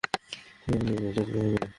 সবাইকে একই চাঁচে ফেলা যায়।